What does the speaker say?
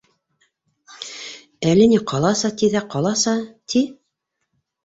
Әллә ни ҡаласа ти ҙә ҡаласа ти.